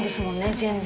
全然。